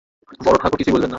বড়োঠাকুর কিছুই বলবেন না।